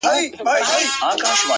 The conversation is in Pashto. که څه هم دا د هندو لور بگوت گيتا; وايي;